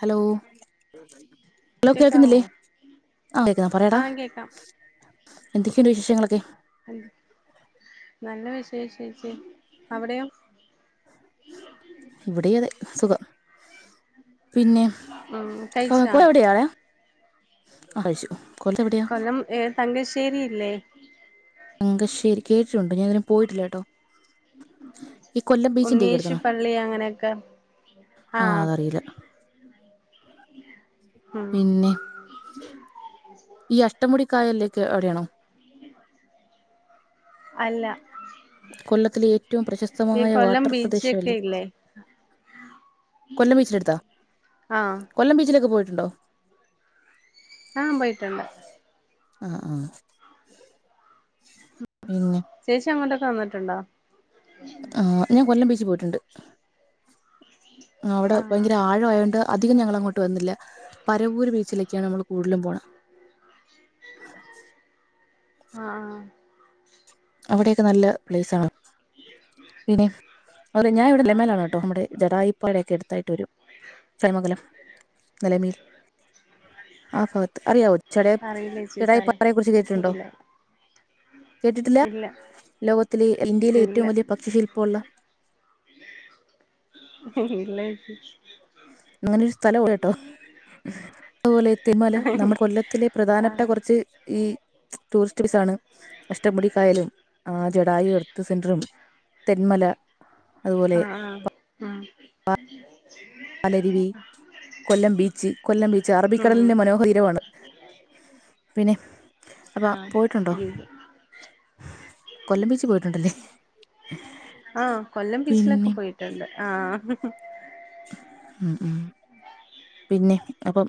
Hello hello കേക്കാവോ കേൾക്കുന്നില്ലേ ആഹ് കേക്കുന്നാ പറയടാ ആഹ് കേക്കാം എന്തൊകേയുണ്ട് വിശേഷങ്ങളൊക്കെ മ് നല്ല വിശേഷം ചേച്ചി അവിടെയോ ഇവിടെയും അതെ സുഖം പിന്നെ ഉം കഴിച്ചാ കോഴിക്കോട് എവിടെയാടാ ആഹ് കഴിച്ചു കൊല്ലത്ത് എവിടയാ കൊല്ലം ഏഹ് തങ്കശ്ശേരിയില്ലേ തങ്കശ്ശേരി കേട്ടിട്ടുണ്ട് ഞാന് ഇതുവരെ പോയിട്ടില്ല കേട്ടോ ഈ കൊല്ലം ഉണ്ണീ ബീച്ചിന്റെ ഒക്കെ ഏശു അടുത്താണോ പള്ളി അങ്ങനെയൊക്കെ ആ ആഹ് അതറിയില്ല ഉം പിന്നെ ഈ അഷ്ടമുടിക്കായലേക്ക് അ വിടെയാണോ അല്ല കൊല്ലത്തിലെ ഏറ്റവും ഈ പ്രശസ്തമായ കൊല്ലം വാട്ടർ ബീച്ചൊക്കെ പ്രദേശമല്ലേ ഇല്ലേ കൊല്ലം ബച്ചില അടുത്താ ആഹ് കൊല്ലം ബീച്ചിലൊക്കെ പോയിട്ടുണ്ടോ ആഹ് പോയിട്ടുണ്ട് ആഹ് ആഹ് ഉം പിന്നെ ചേച്ചി അങ്ങോട്ടൊക്കെ വന്നിട്ടുണ്ടോ ആഹ് ഞാൻ കൊല്ലം ബീച്ചിൽ പോയിട്ടുണ്ട് അവിടെ ആഹ് ഭയങ്കര ആഴം ആയതുകൊണ്ട് അധികം ഞങ്ങൾ അങ്ങോട്ട് വന്നില്ല പരവൂർ ബീച്ചിലേക്കാണ് നമ്മൾ കൂടുതലും പോണേ ആഹ് ആഹ ഹ് അവിടെയൊക്കെ നല്ല പ്ലേസ് ആണ് പിന്നെ അതുപോലെ ഞാൻ ഇവിടെ ആഹ് നിലമേൽ ആണ് കേട്ടോ നമ്മുടെ ജടായുപ്പാറയൊക്കെ അടുത്തായിട്ട് വരും ചടയമംഗലം നിലമേൽ ആഹ് ഭാഗത്ത് അറിയാവോ ചടാ അറിയില്ല ചേച്ചി സ്ഥലം ജടായുപ്പാറയെ കുറിച്ച് കേട്ടിട്ടുണ്ടോ ഇല്ല കേട്ടിട്ടില്ല ഇല്ല ലോകത്തിലെ ഇന്ത്യയിലെ ഇല്ല ഏറ്റവും വലിയ പക്ഷിശില്പമുളള ഇല്ല ചേച്ചി അങ്ങനൊരു സ്ഥലം ഉണ്ട് കേട്ടോ, അതുപോലെ. തെന്മല നമ്മുടെ കൊല്ലത്തിലെ പ്രധാനപ്പെട്ട ആഹ് കുറച്ച് ഈ. ടൂറിസ്റ്റ് ബസ് ആണ്, അഷ്ടമുടിക്കായലും ആഹ് ജഡായി വെൽത്ത് സെന്ററും. തെന്മല അതുപോലെ ആഹ് ആഹ് ഉം പാലരുവി കൊല്ലം ബീച്ച് കൊല്ലം ബീച്ച് ഉം അറബിക്കടലിന്റെ മനോഹര തീരമാണ്. പിന്നെ അപ്പൊ ആഹ് പോയിട്ടുണ്ടോ? ലീവ് കൊല്ലം ബീച്ചിൽ പോയിട്ടുണ്ടല്ലേ? ആഹ് കൊല്ലം ബീച്ചിലൊക്കെ പിന്നെ പോയിട്ടുണ്ട് ആഹ്. ഉം പിന്നെ അപ്പം.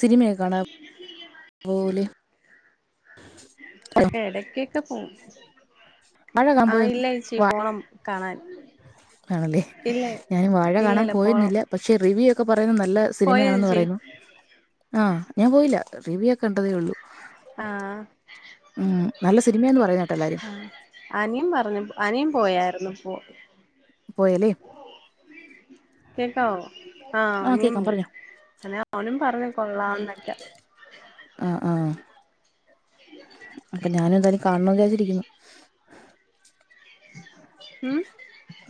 സിനിമയെക്കെ കാണാൻ പോവൂലെ? ഇടയ്ക്കൊക്കെ പോവും. വാഴ കാണാൻ പോയോ, ആഹ് ഇല്ല ചേച്ചി വാ പോണം കാണാൻ ആണല്ലേ ഇല്ല ഞാനും വാഴ ഇല്ല കാണാൻ ഇല്ല പോണം പോയിരുന്നില്ല. പക്ഷെ റിവ്യൂ ഒക്കെ പറയുന്നത് നല്ല പോയോ സിനിമയാണെന്ന് ചേച്ചി പറയുന്നു, ആഹ് ഞാൻ പോയില്ല. റിവ്യൂ ഒക്കെ കണ്ടതേയുള്ളൂ. ആഹ് ഉം നല്ല സിനിമയാ എന്ന് പറയുന്ന കേട്ടെല്ലാരും. ആഹ് അനിയൻ പറഞ്ഞു അനിയൻ പോയായിരുന്നു ഇപ്പൊ. പോയല്ലേ കേക്കാവോ ആഹ് ആ അനിയൻ കേൾക്കാം പോയി പറഞ്ഞോ അങ്ങനെ അവനും പറഞ്ഞു കൊള്ളാം എന്നൊക്കാ. ആഹ് ആഹ് അപ്പൊ ഞാനും എന്തായാലും കാണണം എന്ന് വിചാരിച്ചിരിക്കുന്നു. ഉം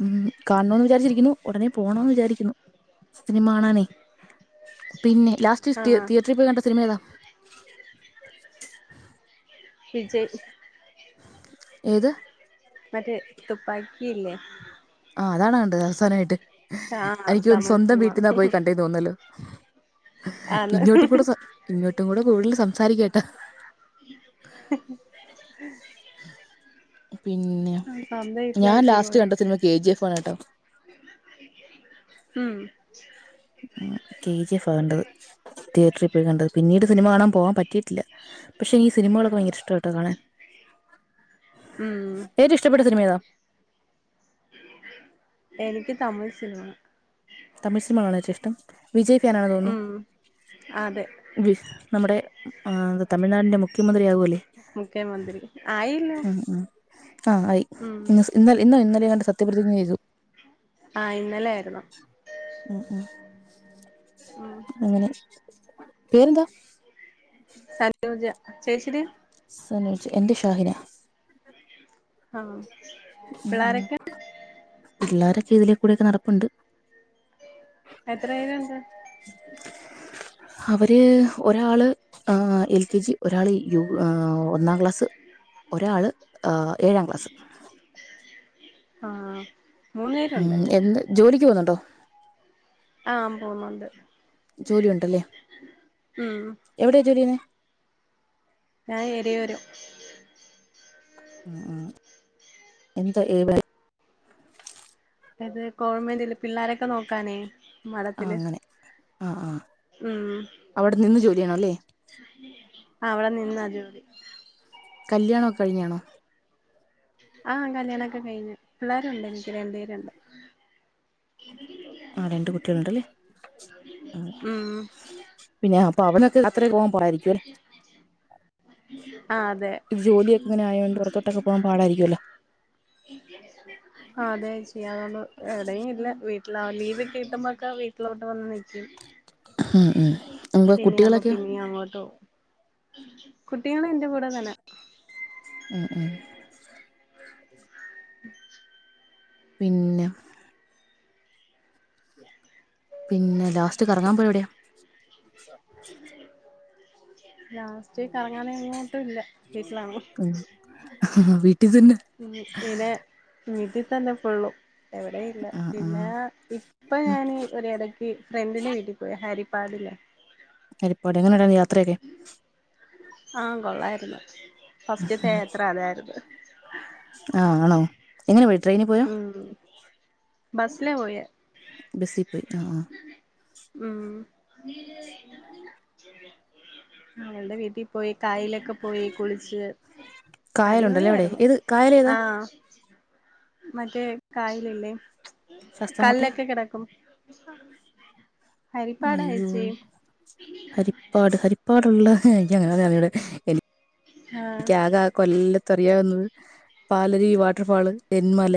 ഉം കാണോന്ന് വിചാരിച്ചിരിക്കുന്നു ഉടനെ പോണോന്ന് വിചാരിക്കുന്നു സിനിമ കാണാനേ. പിന്നെ ലാസ്റ്റ് തീ ആഹ് തീയറ്ററിൽ പോയി കണ്ട് സിനിമ ഏതാ? വിജയ് ഏത് മറ്റേ തുപ്പാക്കിയില്ലേ. ആഹ് അതാണോ കണ്ടത് അവസാനമായിട്ട്, ആഹ് എനിക്ക് തോന്നുന്നു തമിഴ് സ്വന്തം സിനിമ വീട്ടിന്ന് പോയി കണ്ടെന്ന് തോന്നുന്നല്ലോ. ആന്ന് ഇങ്ങോട്ടും കൂടെ ഇങ്ങോട്ടും കൂടെ കൂടുതൽ സംസാരിക്കുക കേട്ടോ. പിന്നെ സ്വന്തം വീട്ടിലാ ഞാൻ ചേച്ചി ലാസ്റ്റ് പോയെ കണ്ട് സിനിമ കെ ജി എഫ് ആണെട്ടോ. ഉം ഉം കെ ജി എഫ് കണ്ടത്, തീയറ്ററിൽ പോയി കണ്ടത് പിന്നീട് സിനിമ കാണാൻ പോവാൻ പറ്റിയിട്ടില്ല. പക്ഷെ ഈ സിനിമകളൊക്കെ ദയങ്കര ഇഷ്ടാട്ടോ കാണാൻ. ഉം ഏറ്റവും ഇഷ്ടപ്പെട്ട സിനിമ ഏതാ? എനിക്ക് തമിഴ് സിനിമ. തമിഴ് സിനിമകളാണ് ഏറ്റവും ഇഷ്ടം, വിജയ് ഫാൻ ആണെന്ന് തോന്നുന്നു. ഉം അതെ ഫ് നമ്മുടെ ആഹ് എന്ത് തമിഴ്നാടിന്റെ മുഖ്യമന്ത്രി ആകുവല്ലേ. മുഖ്യമന്ത്രി ആയില്ലോ. ആഹ് ആയി ഇന്ന് സ ഇന്നോ ഇന്നലേങ്ങാണ്ട് സത്യപ്രതിജ്ഞ ചെയ്തു ആഹ് ഇന്നലേയിരുന്നു ഉം ഉം ഉം അങ്ങനെ പേരെന്താ സനൂജ ചേച്ചിടെയോ സനൂജ എന്റെ ഷാഹിന ആഹ് പിള്ളാരൊക്കെ ഇതിലേക്കൂടെക്കെ നടപ്പിണ്ട് എത്രപേരെണ്ട് അവര് ഒരാള് ആഹ് എൽ കെ ജി ഒരാള് യു ഏഹ് ഒന്നാം ക്ലാസ് ഒരാള് എഹ് ഏഴാം ക്ലാസ്സ് ആഹ് ഉം എന്ന് ജോലിക്ക് പോന്നുണ്ടോ ആഹ് പോന്നൊണ്ട് ജോലി ഒണ്ടല്ലേ ഉം എവിടെയാ ജോലി ചെയ്യ്ന്നേ ഞാൻ [unintelligible] ഉം ഉം എന്ത് [unintelligible] അത് കോൺവെന്റില് പിള്ളേരൊക്കെ നോക്കാനേ ആ മഠത്തില് അങ്ങനെ ആ ആ ഉം അവിടെ നിന്ന് ജോലി ചെയ്യണം അല്ലേ അഹ് അവിടെ നിന്നാ ജോലി കല്ല്യാണോക്കെ കഴിഞ്ഞാണോ ആഹ് കല്ല്യാണൊക്കെ കഴിഞ്ഞ് പിള്ളേരുണ്ട് എനിക്ക് രണ്ടുപേരുണ്ട് ആഹ് രണ്ട് കുട്ടികളെണ്ടല്ലെ ഉം പിന്നെ അപ്പൊ അവനൊക്കെ അത്ര [unintelligible] ആ അതെ ഇത് ജോലിയൊക്കെ ഇങ്ങനെ ആയോണ്ട് പുറത്തോട്ടൊക്കെ പോകാൻ പാടായിരിക്കുവല്ലോ അതേച്ചി ആണ് എവിടെയും ഇല്ല വീ ട്ടിലാ ലീവ് കിട്ടുമ്പോക്കെ വീട്ടിലോട്ട് വന്ന് നിക്കും അപ്പോൾ പിന്നെയാമ്പം കുട്ടികളൊക്കെയോ പിന്നീം അങ്ങോട്ട് പോവും കുട്ടികളെന്റെ കൂടെ തന്നെ ഉം ഉം ഉം പിന്നെ പിന്നെ ലാസ്റ്റ് കറങ്ങാൻ പോയ എവിടെയാ ലാസ്റ്റ് കറങ്ങാന് എങ്ങോട്ടും ഇല്ല വീട്ടിലാണ് വീട്ടി തന്നെ ഉം [unintelligible] വിട്ടീ തന്നെ ഫുള്ളും എവിടേം ഇല്ല ആ ആ പിന്നെ ഇപ്പൊ ഞാന് ഒരെട ക്ക് ഫ്രണ്ടിന്റെ വീട്ടി പോയി ഹരിപ്പാടിള്ളെ ഹരിപ്പാട് എങ്ങനെണ്ടായിരുന്നു യാത്രെക്കെ ആഹ് കൊള്ളായിരുന്നു ഫസ്റ്റ്ത്തെ യാത്ര അതായിരുന്നു ആഹ് ആണോ എങ്ങനെ പോയത് ഉം ബസ്സിനാ പോയേ ബസ്സി പോയി ആഹ് ആഹ് ഉം അവളുടെ വീട്ടിൽ പോയി കായലൊക്കെ പോയി കുളിച്ച് കായലുണ്ടല്ലേ അവിടെ അടിപൊളിയായിരുന്നു ഏത് കായൽ ഏതാ ആഹാ മറ്റേ കായല് ഇല്ലേ ശാസ്താംകോട്ടയാ കല്ലൊക്കെ കിടക്കും ഹരിപ്പാടാ അയ്യോ ചേച്ചി ഹരിപ്പാട് ഹരിപ്പാ പ്പാടുള്ള എനിക്കങ്ങനെ അറിഞ്ഞൂട ആഹ് എനിക്ക് ആകെ കൊല്ലത്ത് അറിയാവുന്നത് പാലരുവി വാട്ടർ ഫാള് തെന്മല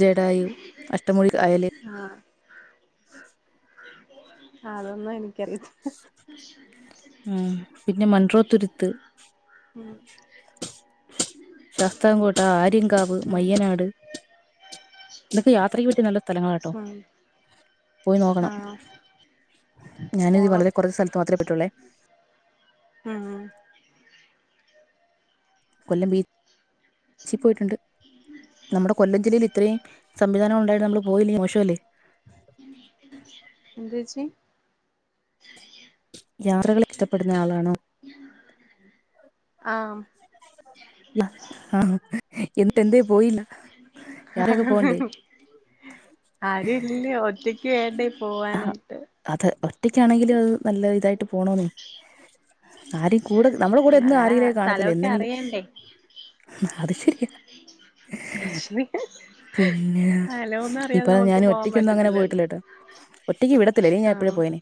ജഡായു അഷ്ടമുടി കായല് ആഹാ അതൊന്നും എനിക്കറിയത്തില്ല ഉം പിന്നെ മൺറോത്തുരുത്ത് ഉം ശാസ്തങ്കോട്ട, ആര്യങ്കാവ്, ഉം മയ്യനാട് ഇതൊക്കെ യാത്രക്ക് പറ്റിയ നല്ല സ്ഥലങ്ങളാട്ടോ ഉം പോയി നോക്കണം ആഹ് ഞാനത് ഓണം വളരെ കൊറച്ചു സ്ഥല ത്ത് മാത്രേ പറ്റോളൂ ആഹ് കൊല്ലം ബീ ച്ചിൽ പോയിട്ടുണ്ട് [unintelligible] നമ്മുടെ കൊല്ലം ജില്ലയില് ഇത്രയും സംവിധാനങ്ങളുണ്ടായിട്ട് നമ്മള് പോയില്ലെങ്കി മോശംല്ലേ എന്താ ച്ചി യാത്രകൾ ഇഷ്ടപ്പെടുന്ന ആളാണോ [unintelligible] ആഹ് ആഹാ എന്നിട്ട് എന്തേ പോയില്ല യാത്രയൊക്കെ പോകണ്ടേ ആരുംല്ല്യ ഒറ്റക്ക് ക്ക്‌ വേണ്ടേ ആഹ് പോവാനായിട്ട് അത് ഒറ്റക്കാണെങ്കിലും അത് നല്ല ഇതായിട്ട് പോണെന്നേ ആരും കൂടെ നമ്മുടെ കൂടെ എന്നും അങ്ങനെ ആരെങ്കിലേ കാണത്തില്ല സ്ഥലമൊക്കെ എന്നെങ്കിലും അറിയണ്ടേ അത് ശരിയാ വെഷമിക്കാ പിന്നെ ഇപ്പ ഞാനും പോവാൻ ഒറ്റക്കൊന്നും അങ്ങനെ പറ്റത്തില്ലല്ലോ പോയിട്ടില്ല ട്ടോ ഒറ്റക്ക് വിടത്തില്ല അല്ലെ ഞാ എപ്പഴേ ആഹ് പോയേനെ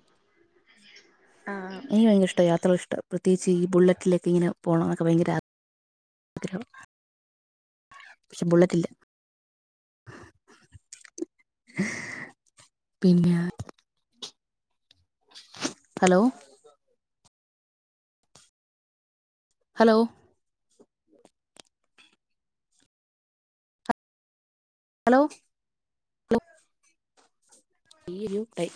ആഹ് എനിക്ക് ഭയങ്കര ഇഷ്ട്ട യാത്രകൾ ഇഷ്ട്ട പ്രത്യേകിച്ച് ഈ ബുള്ളറ്റിലേക്ക് ഇങ്ങനെ പോണം എന്നൊക്കെ ഭയങ്കര ആഗ്രഹം ആഗ്രഹം പക്ഷെ ബുള്ളറ്റില്ല പിന്നെ ഹലോ ഹലോ ഹലോ ഈ ഒരു ട്ടൈ